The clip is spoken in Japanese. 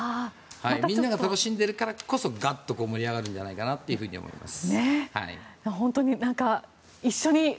みんなが楽しんでいるからこそガッと盛り上がるんじゃないかなと思います。